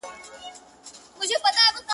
ته به د غم يو لوى بيابان سې گرانــــــي,